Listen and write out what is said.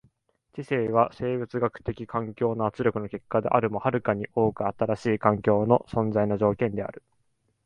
知性は生物学的環境の圧力の結果であるよりも遥かに多く新しい環境の存在の条件である。